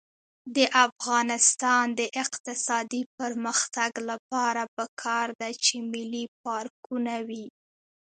د افغانستان د اقتصادي پرمختګ لپاره پکار ده چې ملي پارکونه وي.